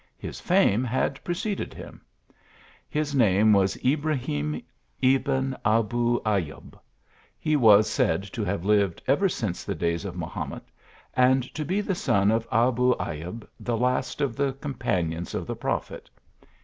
His fame had preceded him. His name was Ibrahim Ebn Abu Ayub ; he was said to have lived ever since the days of Mahomet, and to be the son of Abu Ayub, the last of the companions of the prophet.